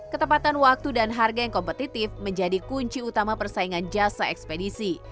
ketepatan waktu dan harga yang kompetitif menjadi kunci utama persaingan jasa ekspedisi